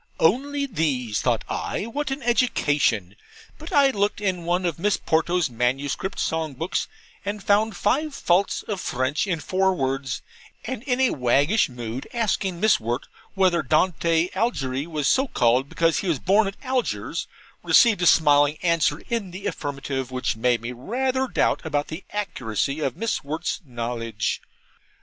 Only these, thought I what an education! But I looked in one of Miss Ponto's manuscript song books and found five faults of French in four words; and in a waggish mood asking Miss Wirt whether Dante Algiery was so called because he was born at Algiers, received a smiling answer in the affirmative, which made me rather doubt about the accuracy of Miss Wirt's knowledge.